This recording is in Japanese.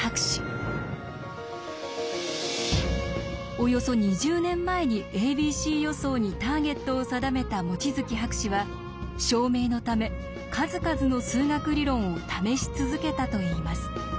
およそ２０年前に「ａｂｃ予想」にターゲットを定めた望月博士は証明のため数々の数学理論を試し続けたといいます。